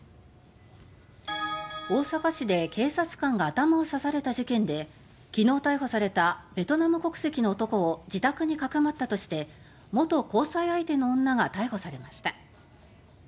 大阪市で警察官が頭を刺された事件で昨日逮捕されたベトナム国籍の男を自宅にかくまったとして元交際相手の女が逮捕されました。